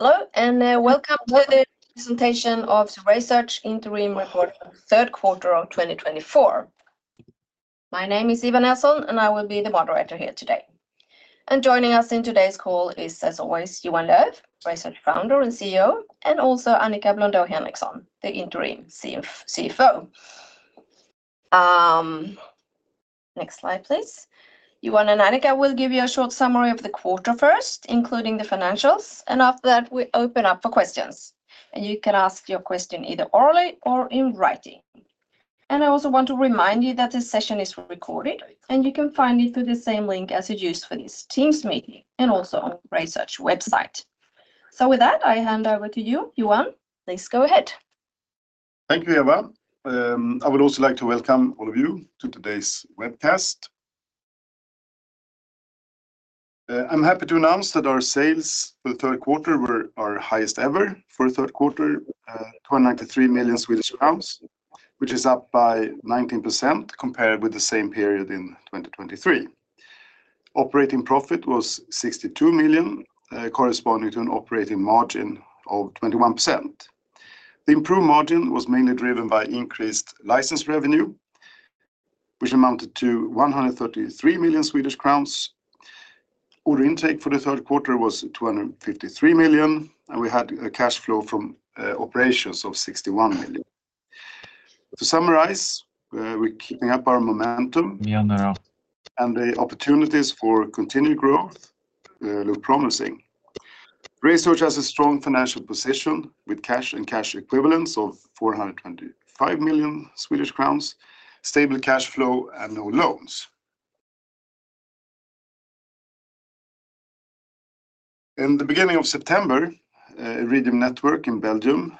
Hello and welcome to the presentation of RaySearch Interim Report for the Q3 of 2024. My name is Eva Nelson and I will be the moderator here today. And joining us in today's call is, as always, Johan Löf, RaySearch Founder and CEO, and also Annika Blondeau Henriksson, the Interim CFO. Next slide, please. Johan and Annika will give you a short summary of the quarter first, including the financials. And after that we open up for questions. And you can ask your question either orally or in writing. And I also want to remind you that this session is recorded and you can find it through the same link as it used for this Teams meeting and also on RaySearch website. So with that I hand over to you, Johan. Please go ahead. Thank you, Eva. I would also like to welcome all of you to today's webcast. I'm happy to announce that our sales for the Q3 were our highest ever. For Q3 293 million Swedish crowns, which is up by 19% compared with the same period in 2023. Operating profit was 62 million, corresponding to an operating margin of 21%. The improved margin was mainly driven by increased license revenue, which amounted to 133 million Swedish crowns. Order intake for the Q3 was 253 million and we had a cash flow from operations of 61 million. To summarize, we're keeping up our momentum and the opportunities for continued growth look promising. RaySearch has a strong financial position with cash and cash equivalents of 425 million Swedish crowns, stable cash flow and no loans. In the beginning of September, Iridium Network in Belgium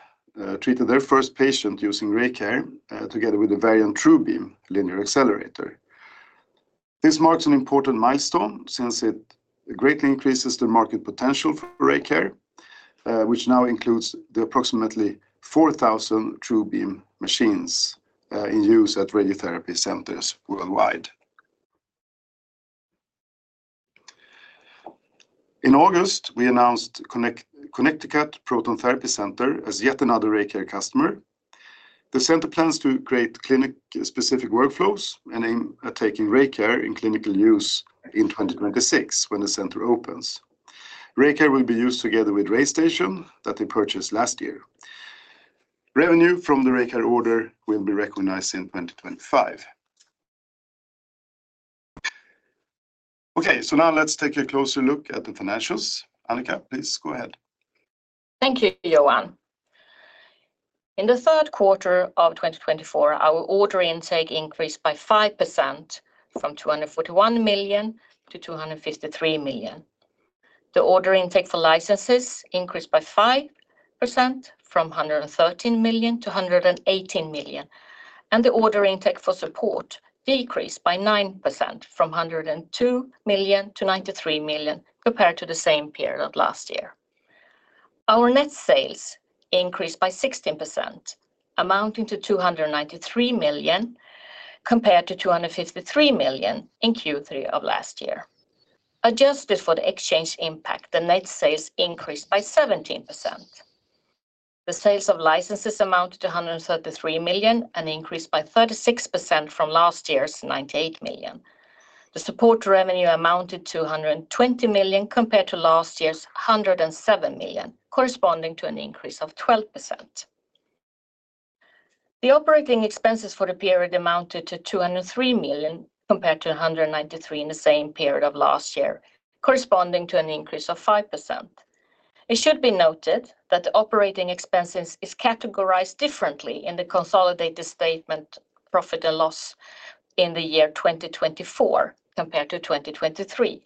treated their first patient using RayCare, together with the Varian TrueBeam linear accelerator. This marks an important milestone since it greatly increases the market potential for RayCare, which now includes the approximately 4,000 TrueBeam machines in use at radiotherapy centers worldwide. In August we announced Connecticut Proton Therapy Center as yet another RayCare customer. The center plans to create clinic specific workflows and aim at taking RayCare in clinical use. In 2026, when the center opens, RayCare will be used together with RayStation that they purchased last year. Revenue from the RayCare order will be recognized in 2025. Okay, so now let's take a closer look at the financials. Annika, please go ahead. Thank you, Johan. In the Q3 of 2024, our order intake increased by 5% from 241 to 253 million. The order intake for licenses increased by 5% from 113 to 118 million, and the order intake for support decreased by 9% from 102 to 93 million compared to the same period of last year. Our net sales increased by 16%, amounting to 293 million compared to 253 million in Q3 of last year. Adjusted for the exchange impact, the net sales increased by 17%. The sales of licenses amounted to 133 million and increased by 36% from last year's 98 million. The support revenue amounted to 120 million compared to last year's 107 million, corresponding to an increase of 12%. The operating expenses for the period amounted to 203 million compared to 193 million in the same period of last year corresponding to an increase of 5%. It should be noted that operating expenses is categorized differently in the consolidated statement of profit and loss in the year 2024 compared to 2023.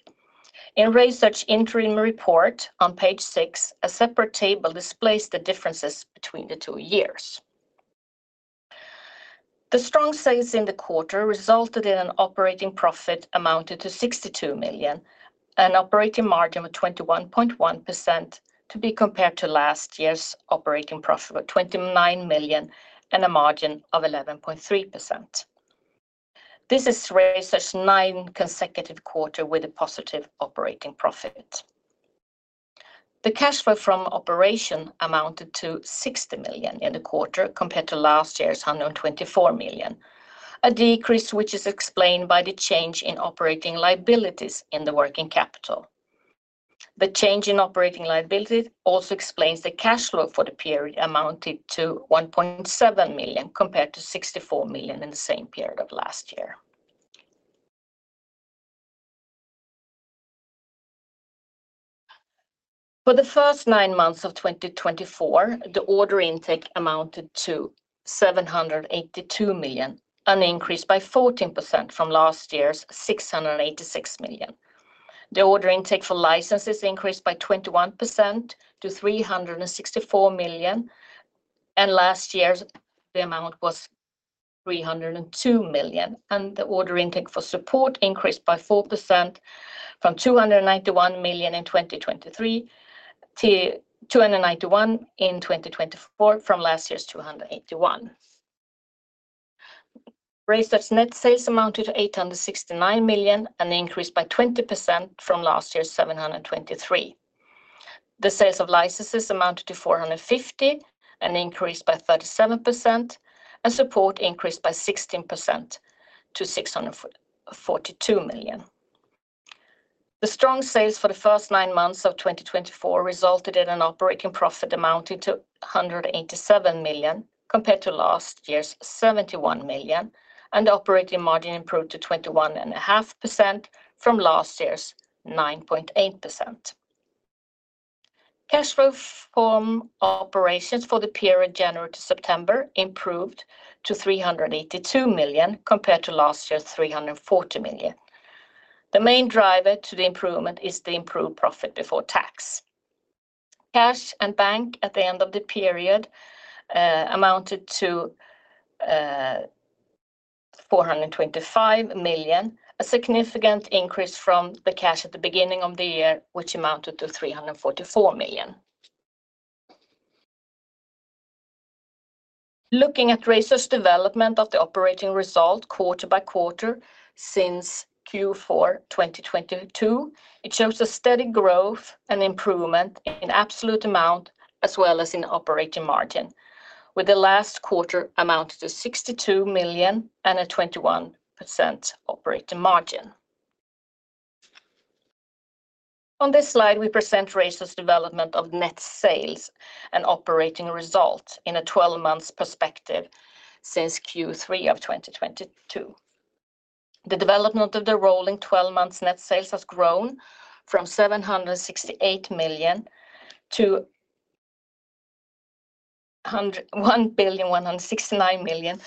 In the RaySearch interim report on page six, a separate table displays the differences between the two years. The strong sales in the quarter resulted in an operating profit amounted to 62 million, an operating margin of 21.1% to be compared to last year's operating profit of 29 million and a margin of 11.3%. This is RaySearch's ninth consecutive quarter with a positive operating profit. The cash flow from operation amounted to 60 million in the quarter compared to last year's 124 million, a decrease which is explained by the change in operating liabilities in the working capital. The change in operating liabilities also explains the cash flow for the period amounted to 1.7 million compared to 64 million in the same period of last year. For the first nine months of 2024, the order intake amounted to 782 million, an increase by 14% from last year's 686 million. The order intake for licenses increased by 21% to 364 million and last year the amount was 302 million and the order intake for support increased by 4% from 291 million in 2023 to 291 million in 2024 from last year's 281 million. RaySearch's net sales amounted to 869 million and increased by 20% from last year's 723 million. The sales of licenses amounted to 450 million and increased by 37% and support increased by 16% to 642 million. The strong sales for the first nine months of 2024 resulted in an operating profit amounted to 187 million compared to last year's 71 million and operating margin improved to 21.5% from last year's 9.8%. Cash flow from operations for the period January to September improved to 382 million compared to last year's 340 million. The main driver to the improvement is the improved profit before tax. Cash and bank at the end of the period amounted to 425 million, a significant increase from the cash at the beginning of the year which amounted to 344 million. Looking at RaySearch's development of the operating result quarter by quarter since Q4 2022, it shows a steady growth and improvement in absolute amount as well as in operating margin with the last quarter amounted to 62 million and a 21% operating margin. On this slide we present RaySearch's development of net sales and operating result in a 12-month perspective. Since Q3 of 2022, the development of the rolling 12 months net sales has grown from 768 to 1.169 billion.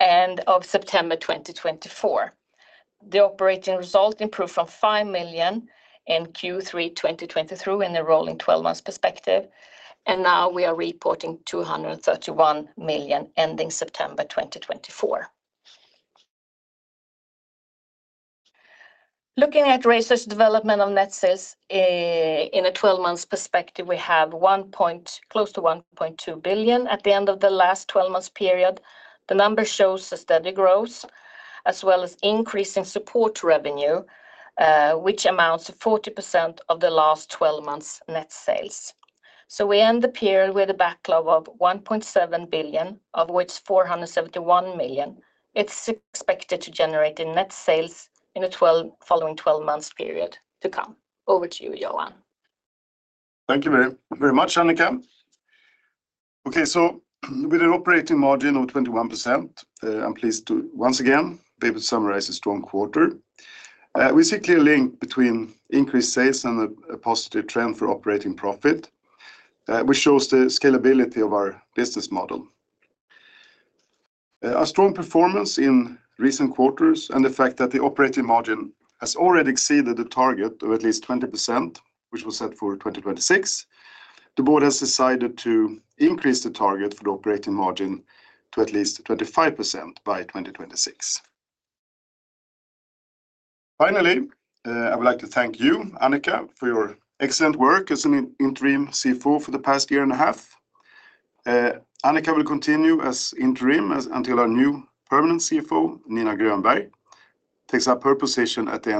End of September 2024, the operating result improved from 5 million in Q3 2020 to in the rolling 12 months perspective. Now we are reporting 231 million ending September 2024. Looking at RaySearch's net sales in a 12-month perspective, we have close to 1.2 billion at the end of the last 12 months period. The number shows a steady growth as well as increasing support revenue, which amounts to 40% of the last 12 months net sales. We end the period with a backlog of 1.7 billion, of which 471 million it's expected to generate in net sales in the following 12 months period. To come over to you, Johan. Thank you very very much, Annika. Okay, so with an operating margin of 21%, I'm pleased to once again be able to summarize a strong quarter. We see clear link between increased sales and a positive trend for operating profit, which shows the scalability of our business model, our strong performance in recent quarters and the fact that the operating margin has already exceeded the target of at least 20% which was set for 2026. The board has decided to increase the target for the operating margin to at least 25% by 2026. Finally, I would like to thank you, Annika, for your excellent work as an Interim CFO for the past year and a half. Annika will continue as interim until our new permanent CFO, Nina Grönberg, takes up her position at the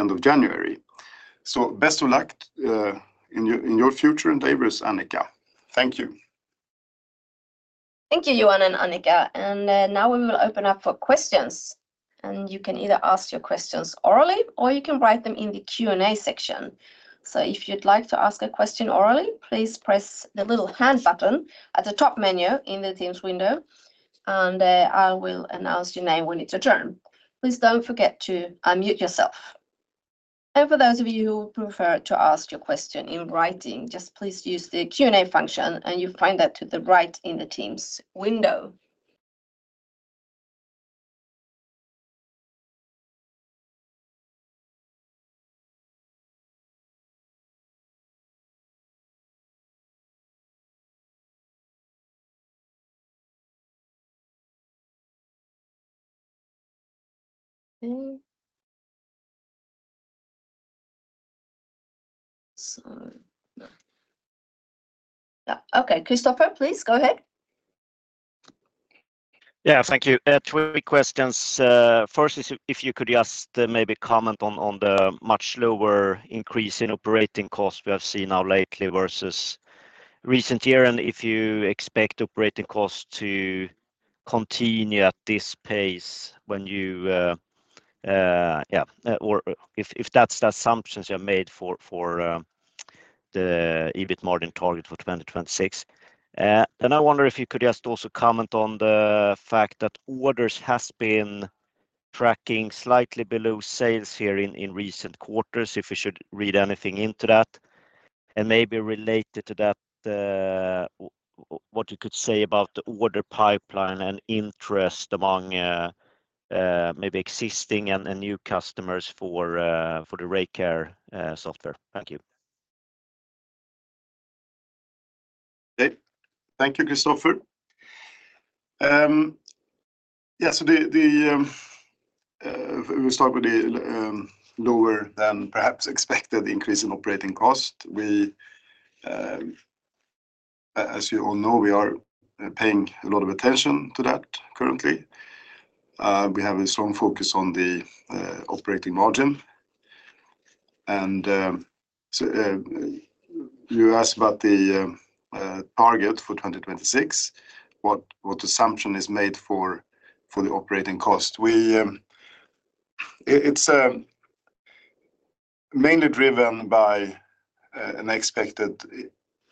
end of January. So best of luck in your future endeavors, Annika. Thank you. Thank you, Johan and Annika. Now we will open up for questions. You can either ask your questions orally or you can write them in the Q and A section. So if you'd like to ask a question orally, please press the little hand button at the top menu in the Teams window and I will announce your name when it's your turn. Please don't forget to unmute yourself. For those of you who prefer to ask your question in writing, just please use the Q and A function and you find that to the right in the Teams window. Okay, Kristopher, please go ahead. Yeah, thank you. Three questions. First, if you could just maybe comment on the much lower increase in operating costs we have seen now lately versus recent year. And if you expect operating costs to continue at this pace. Or if that's the assumptions you made for the EBIT margin target for 2026, then I wonder if you could just also comment on the fact that orders has been tracking slightly below sales here in recent quarters. If you should read anything into that and maybe related to that, what you could say about the order pipeline and interest among maybe existing and new customers for the RayCare software. Thank you. Thank you, Christopher. Yes, we start with the lower than perhaps expected increase in operating cost. We, as you all know, we are paying a lot of attention to that currently. We have a strong focus on the operating margin, and you asked about the target for 2026. What assumption is made for the operating cost? It's mainly driven by an expected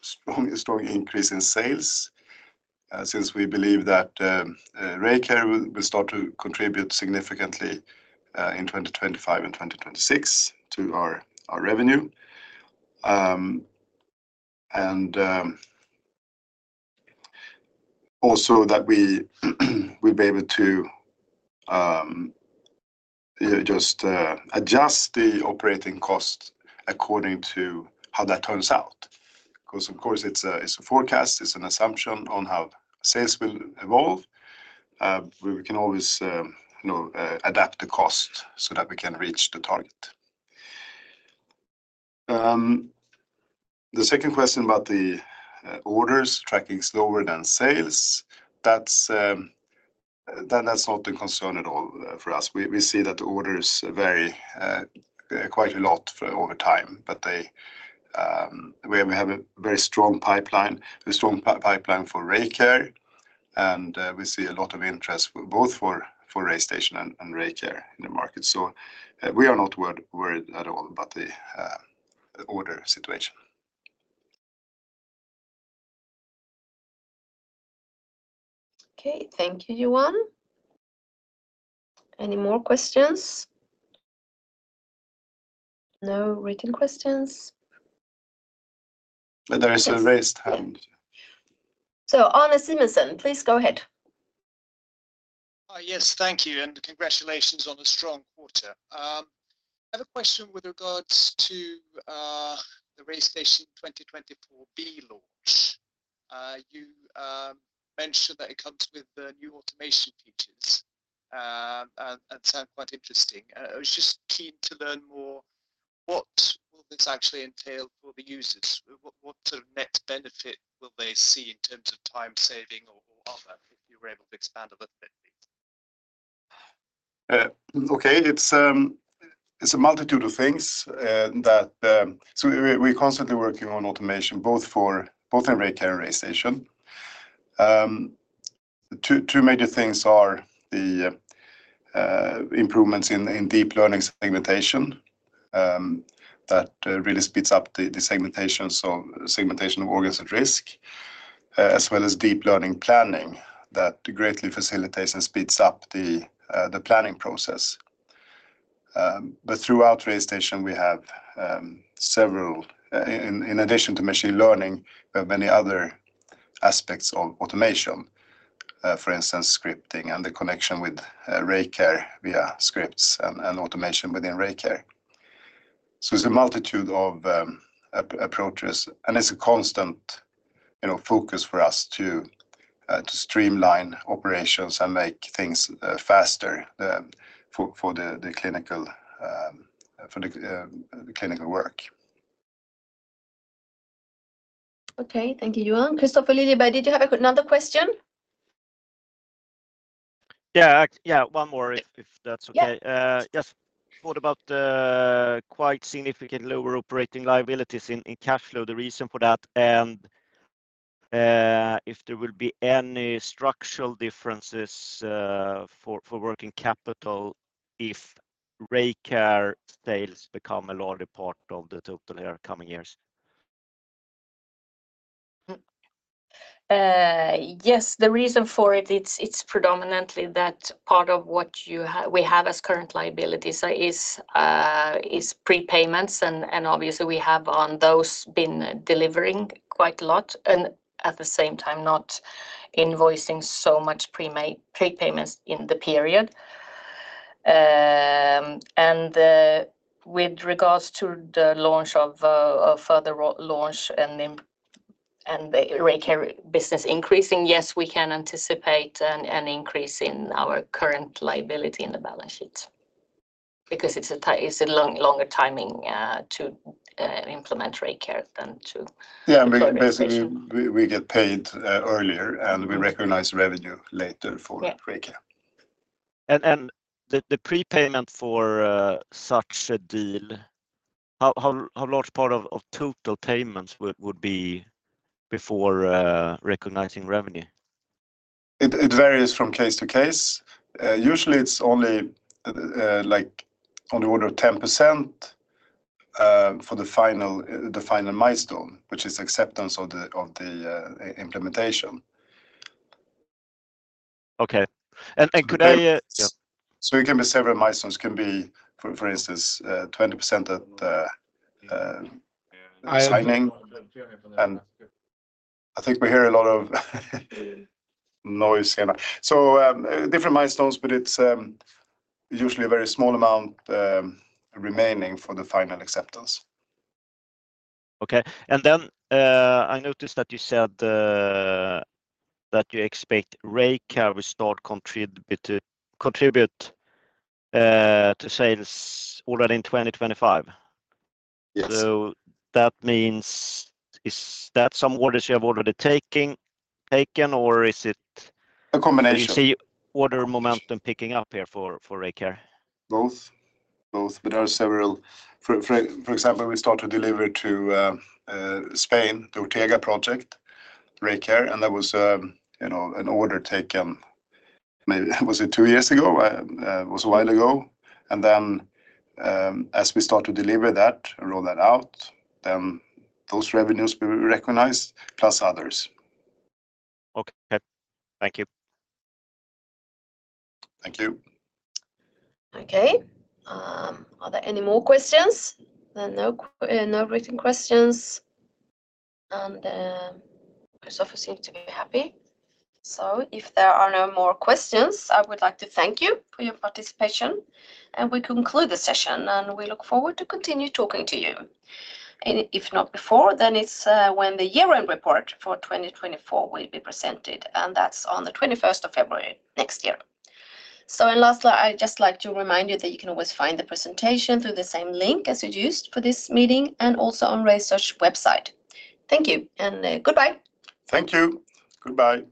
strong increase in sales since we believe that RayCare will start to contribute significantly in 2025 and 2026 to our revenue, and also that we will be able to just adjust the operating cost according to how that turns out. Because of course it's a forecast, it's an assumption on how sales will evolve. We can always adapt the cost so that we can reach the target. The second question about the orders tracking slower than sales, that's not a concern at all for us. We see that the orders vary quite a lot over time, but we have a very strong pipeline, a strong pipeline for RayCare, and we see a lot of interest both for RayStation and RayCare in the market, so we are not worried at all about the order situation. Okay, thank you, Johan. Any more questions? No written questions. There is a raised hand. So, Arne Simonsen, please go ahead. Yes, thank you and congratulations on a strong quarter. I have a question with regards to the RayStation 2024B launch. You mentioned that it comes with the new automation features and sounds quite interesting. I was just keen to learn more. What will this actually entail for the users? What sort of net benefit will they see in terms of time saving or other if you were able to expand a little bit? Okay. It's a multitude of things. We're constantly working on automation both in RayCare and RayStation. Two major things are the improvements in deep learning segmentation that really speeds up the segmentation. So segmentation of organs at risk as well as deep learning planning that greatly facilitates and speeds up the planning process. But throughout RayStation we have several, in addition to machine learning, many other aspects of automation. For instance, scripting and the connection with RayCare via scripts and automation within RayCare. So there's a multitude of approaches and it's a constant, you know, focus for us to streamline operations and make things faster for the clinical. For the clinical work. Okay, thank you, Johan. Kristofer Liljeberg, did you have another question? Yeah, yeah, one more if that's okay. Just what about quite significant lower operating liabilities in cash flow? The reason for that and if there will be any structural differences for working capital if RayCare sales become a larger part of the total here coming years? Yes, the reason for it, it's predominantly that part of what we have as current liabilities is prepayments and obviously we have on those been delivering quite a lot and at the same time not invoicing so much prepayments in the period and with regards to the launch of further launch and. And the RayCare business increasing. Yes, we can anticipate an increase in our current liability in the balance sheet because it's a longer timing to implement RayCare than to. Yeah, basically we get paid earlier and we recognize revenue later. For RayCare and the prepayment for such a deal, how large part of total payments would be before recognizing revenue? It varies from case to case. Usually it's only like on the order of 10% for the final milestone, which is acceptance of the implementation. Okay, and could I. So it can be several milestones. Can be for instance 20% at signing and I think we hear a lot of noise. So different milestones but it's usually a very small amount remaining for the final acceptance. Okay, and then I noticed that you said that you expect RayCare to start to contribute to sales already in 2025. So that means is that some orders you have already taken or is it a combination? Is the order momentum picking up here for RayCare? Both, both. But there are several. For example, we start to deliver to Spain, the Ortega project, RayCare and that was, you know, an order taken maybe was it two years ago? Was a while ago. And then as we start to deliver that and roll that out, then those revenues will be recognized, plus others. Okay. Thank you. Thank you. Okay. Are there any more questions? No written questions. And Christopher seems to be happy. So if there are no more questions, I would like to thank you for your participation. And we conclude the session and we look forward to continue talking to you, if not before then, it's when the year-end report for 2024 will be presented, and that's on the 21st of February next year. So. And lastly, I'd just like to remind you that you can always find the presentation through the same link as we used for this meeting and also on RaySearch website. Thank you and goodbye. Thank you. Goodbye.